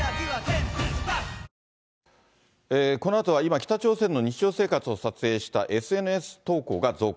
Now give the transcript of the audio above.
北朝鮮の日常生活を撮影したＳＮＳ投稿が増加。